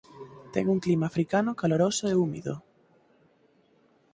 Ten un clima africano caloroso e húmido.